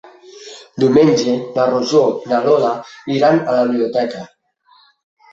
Diumenge na Rosó i na Lola iran a la biblioteca.